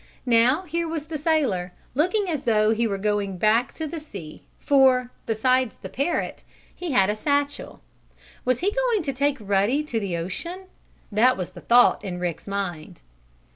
Now here was the sailor, looking as though he were going back to the sea, for, besides the parrot, he had a satchel. Was he going to take Ruddy to the ocean? That was the thought in Rick's mind.